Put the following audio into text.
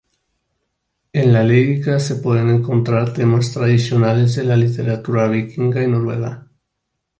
En la lírica se pueden encontrar temas tradicionales de la literatura vikinga y noruega.